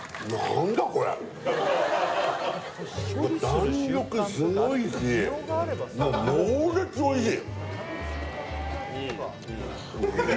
弾力すごいし、猛烈においしい。